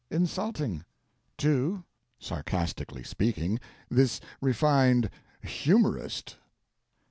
"Insulting." 2. (Sarcastically speaking) "This refined humorist."